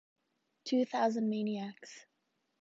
Two Thousand Maniacs!